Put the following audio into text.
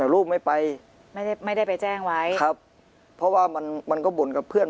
ลูกไม่ไปไม่ได้ไม่ได้ไปแจ้งไว้ครับเพราะว่ามันมันก็บ่นกับเพื่อน